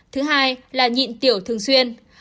thứ hai là nhịn tiểu thường xuyên